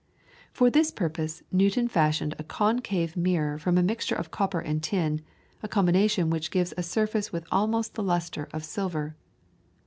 ] For this purpose Newton fashioned a concave mirror from a mixture of copper and tin, a combination which gives a surface with almost the lustre of silver.